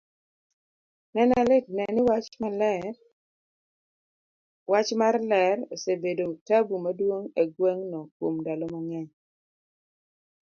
nene litne ni wach marler osebedo tabu maduong' egweng' no kuom ndalo mang'eny,